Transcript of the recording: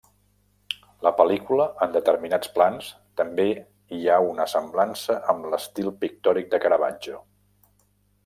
La pel·lícula en determinats plans també hi ha una semblança amb l'estil pictòric de Caravaggio.